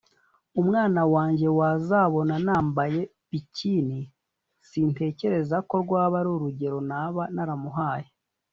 umwana wanjye wazabona nambaye bikini sintekereza ko rwaba ari urugero naba naramuhaye